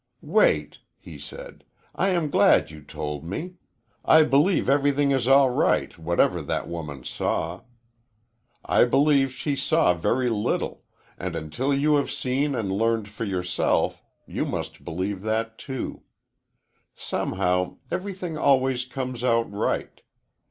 "Wait," he said. "I am glad you told me. I believe everything is all right, whatever that woman saw. I believe she saw very little, and until you have seen and learned for yourself you must believe that, too. Somehow, everything always comes out right.